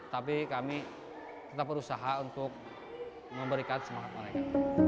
tapi kami tetap berusaha untuk memberikan semangat mereka